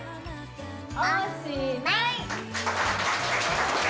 おしまい。